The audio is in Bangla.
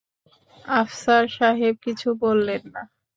আফসার সাহেব কিছু বললেন না।